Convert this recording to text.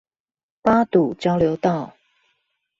八堵交流道